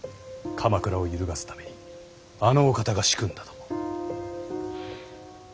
鎌倉を揺るがすためにあのお方が仕組んだとも。